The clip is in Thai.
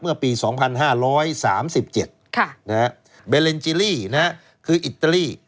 เมื่อปี๒๕๓๗เบเลนจิลี่คืออิตาลี